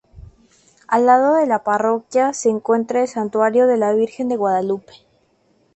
Al lado de la Parroquia, se encuentra el Santuario de la Virgen de Guadalupe.